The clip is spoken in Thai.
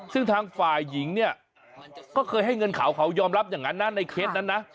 ซึ่งทางฝ่ายหญิงเนี่ยก็เคยให้เงินเขาเขายอมรับอย่างนั้นนะในเคสนั้นนะ